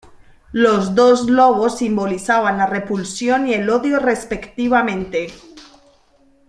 Los dos lobos simbolizaban la "repulsión" y el "odio" respectivamente.